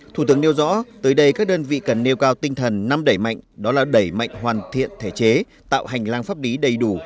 thủ tướng nêu rõ tới đây các đơn vị cần nêu cao tinh thần năm đẩy mạnh đó là đẩy mạnh hoàn thiện thể chế tạo hành lang pháp lý đầy đủ